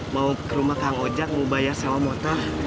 mau ke rumah kang ojak mau bayar sawah motor